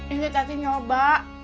ini tadi nyoba